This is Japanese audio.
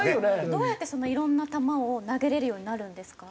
どうやってそんないろんな球を投げれるようになるんですか？